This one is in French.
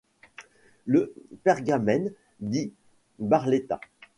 Le Pergamene di Barletta.